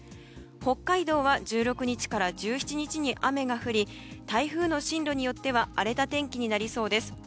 北海道は１６日から１７日に雨が降り台風の進路によっては荒れた天気になりそうです。